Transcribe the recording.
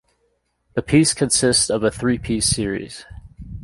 The piece consists of a three-piece series.